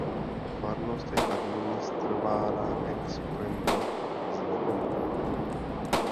Farnost je administrována ex currendo z Nepomuku.